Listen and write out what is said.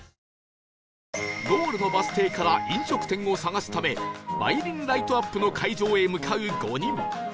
ゴールのバス停から飲食店を探すため梅林ライトアップの会場へ向かう５人